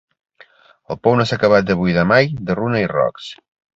El pou no s'ha acabat de buidar mai de runa i rocs.